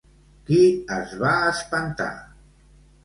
Qui es va espantar?